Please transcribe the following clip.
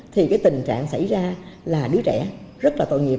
thì cái tình trạng xảy ra là đứa trẻ rất là tội nghiệp